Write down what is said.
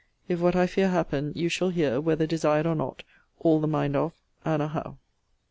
If what I fear happen, you shall hear (whether desired or not) all the mind of ANNA HOWE.